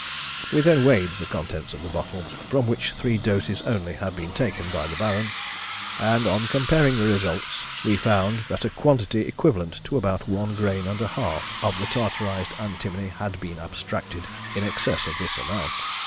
We then weighed the contents of the bottle, from which three doses only had been taken by the Baron, and, on comparing the results, we found that a quantity equivalent to about one grain and a half of the tartarised antimony had been abstracted in excess of this amount.